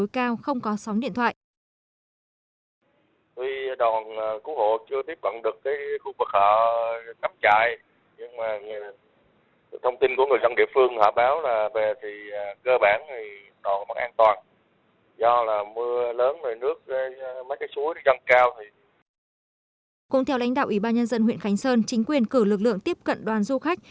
cũng theo lãnh đạo ủy ban nhân dân huyện khánh sơn chính quyền cử lực lượng tiếp cận đoàn du khách